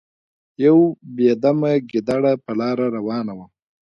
یو بې دمه ګیدړه په لاره روانه وه.